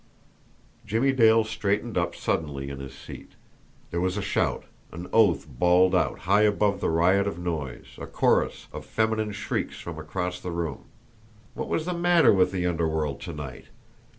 Jimmie Dale straightened up suddenly in his seat. There was a shout, an oath bawled out high above the riot of noise, a chorus of feminine shrieks from across the room. What was the matter with the underworld to night?